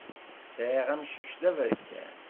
Sɛiɣ amcic d aberkan.